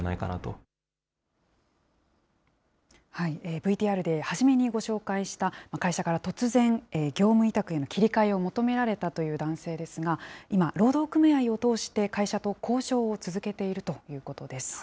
ＶＴＲで、初めにご紹介した会社から突然、業務委託への切り替えを求められたという男性ですが、今、労働組合を通して会社と交渉を続けているということです。